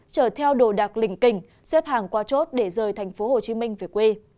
chở theo đồ đạc lình kình xếp hàng qua chốt để rời thành phố hồ chí minh về quê